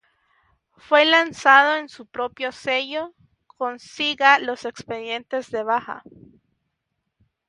Fue lanzado en su propio sello Consiga los expedientes de baja